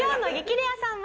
レアさんは。